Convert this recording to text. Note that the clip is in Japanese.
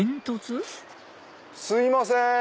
すいません！